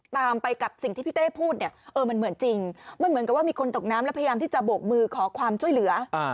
ตามไปกับสิ่งที่พี่เต้พูดเนี่ยเออมันเหมือนจริงมันเหมือนกับว่ามีคนตกน้ำแล้วพยายามที่จะโบกมือขอความช่วยเหลือ